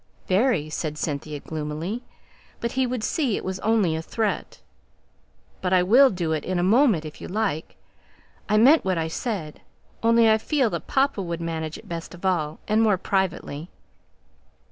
"Very!" said Cynthia, gloomily. "But he would see it was only a threat." "But I will do it in a moment, if you like. I meant what I said; only I feel that papa would manage it best of all, and more privately."